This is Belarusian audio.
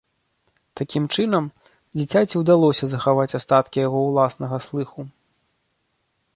Такім чынам, дзіцяці ўдалося захаваць астаткі яго ўласнага слыху.